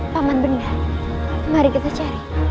paman benda mari kita cari